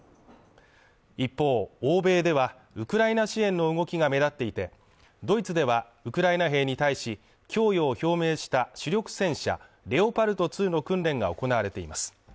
一方、欧米ではウクライナ支援の動きが目立っていて、ドイツではウクライナ兵に対し、供与を表明した主力戦車レオパルト２の訓練が行われています。